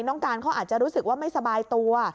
น้องการเขาอาจจะรู้สึกว่าไม่สบายตัว